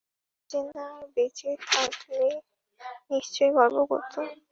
Kitchener বেঁচে থাকলে নিশ্চয়ই গর্ব করত!